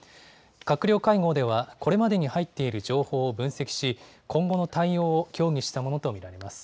閣僚会合ではこれまでに入っている情報を分析し今後の対応を協議したものと見られます。